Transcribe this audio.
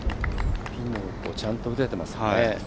ピンの方向ちゃんと打ててますね。